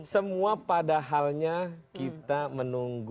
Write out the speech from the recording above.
semua padahalnya kita menunggu